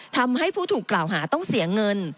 ทำให้ผู้ถูกกล่าวหาต้องเสียเงิน